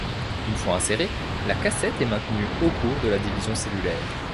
Une fois insérée, la cassette est maintenue au cours de la division cellulaire.